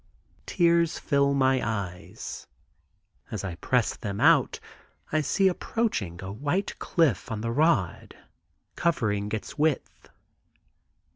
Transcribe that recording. Tears fill my eyes. As I press them out I see approaching a white cliff on the rod, covering its width.